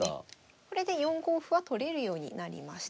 これで４五歩は取れるようになりました。